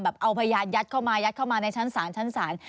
เอาพยานยัดเข้ามายัดเข้ามาในชั้นศาลชั้นศาล